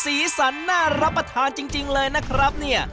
สีสันน่ารับประทานจริงเลยนะครับเนี่ย